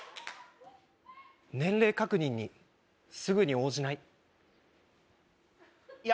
年齢確認にすぐに応じないいや